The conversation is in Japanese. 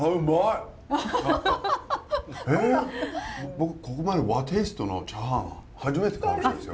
僕ここまで和テーストのチャーハン初めてかもしれないですよ。